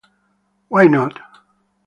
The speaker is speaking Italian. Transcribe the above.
Why Not.".